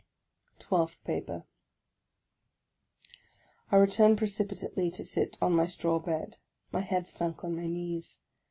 TWELFTH PAPER I RETURNED precipitately to sit on my straw bed; my head sunk on my knees.